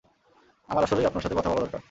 আমার আসলেই আপনার সাথে কথা বলা দরকার।